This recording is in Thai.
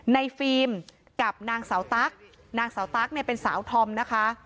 ฟิล์มกับนางสาวตั๊กนางสาวตั๊กเนี่ยเป็นสาวธอมนะคะ